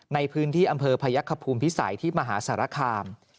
ในพื้นที่อำเภอพยักษภูมิพิสัยที่มหาสารคาม